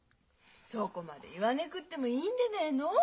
そこまで言わねぐてもいいんでねえの？